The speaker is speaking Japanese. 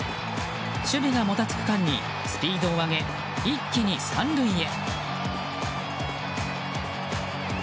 守備がもたつく間にスピードを上げ一気に３塁へ。